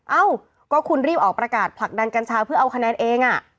เอ้าก็คุณรีบออกประกาศผลักดันกัญชาเพื่อเอาคะแนนเอง